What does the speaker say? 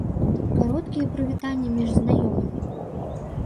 Кароткія прывітанні між знаёмымі.